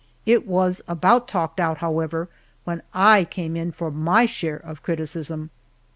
It was about talked out, however, when I came in for my share of criticism!